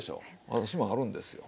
私もあるんですよ。